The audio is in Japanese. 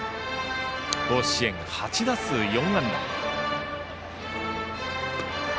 甲子園８打数４安打。